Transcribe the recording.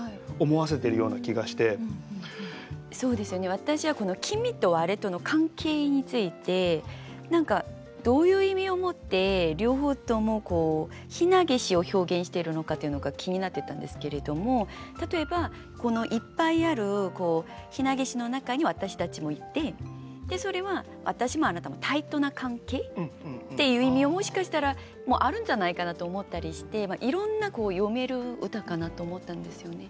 私はこの「君」と「われ」との関係について何かどういう意味を持って両方とも「ひなげし」を表現しているのかっていうのが気になってたんですけれども例えばこのいっぱいあるひなげしの中に私たちもいてそれは私もあなたも対等な関係っていう意味ももしかしたらあるんじゃないかなと思ったりしていろんな読める歌かなと思ったんですよね。